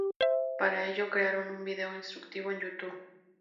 Para ello, crearon un video instructivo en YouTube.